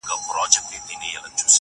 څه ويلاى نه سم~